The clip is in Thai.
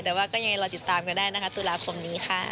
แต่ว่าก็ยังไงรอติดตามกันได้นะคะตุลาคมนี้ค่ะ